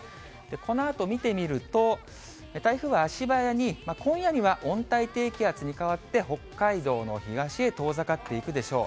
このあと見てみると、台風は足早に今夜には温帯低気圧に変わって、北海道の東へ遠ざかっていくでしょう。